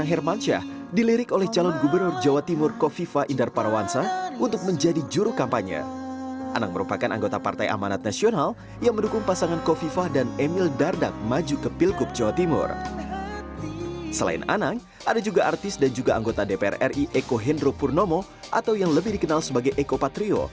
eko hendro purnomo atau yang lebih dikenal sebagai eko patrio